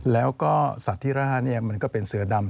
แล้วก็สัตว์ที่ร่ามันก็เป็นเสือดำ